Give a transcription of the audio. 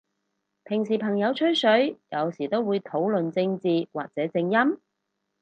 平時朋友吹水，有時都會討論正字或者正音？